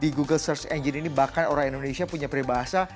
di google search engine ini bahkan orang indonesia punya peribahasa